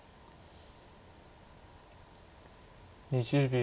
２０秒。